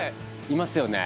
いますよね？